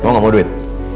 kamu gak mau duit